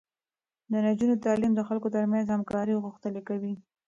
د نجونو تعليم د خلکو ترمنځ همکاري غښتلې کوي.